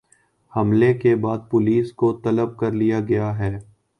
حملے کے بعد پولیس کو طلب کر لیا گیا ہے